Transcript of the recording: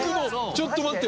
ちょっと待って！